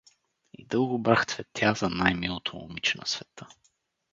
И дълго брах цветя за най-милото момиче на света.